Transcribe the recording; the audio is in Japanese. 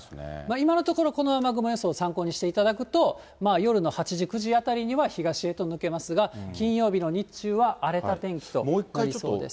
今のところ、この雨雲予想を参考にしていただくと、まあ夜の８時、９時あたりには東へと抜けますが、金曜日の日中は、荒れた天気となりそうです。